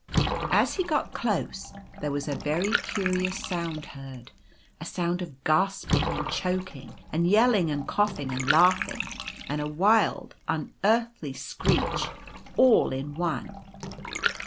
" As he got close there was a very curious sound heard — a sound of gasping and choking, and yelling and coughing, and laughing, and a wild, unearthly screech all in one.